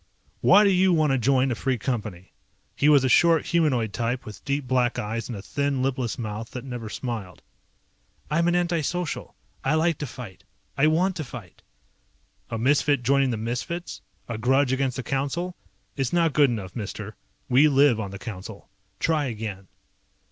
"Why do you want to join a Free Company?" He was a short, humanoid type with deep black eyes and a thin, lipless mouth that never smiled. "I'm an anti social. I like to fight. I want to fight." "A misfit joining the misfits? A grudge against the Council? It's not good enough, mister, we live on the Council. Try again."